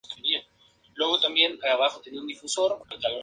En febrero volvió a sufrir una lesión muscular.